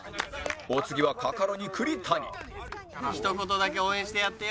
お次はカカロニ栗谷ひと言だけ応援してやってよ